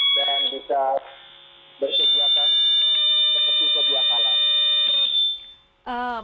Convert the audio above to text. dan bisa berkegiatan seperti sebelumnya